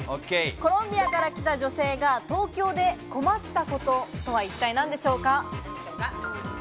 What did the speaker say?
コロンビアから来た女性が、東京で困ったこととは一体何でしょうか？